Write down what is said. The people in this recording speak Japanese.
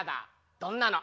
どんなの？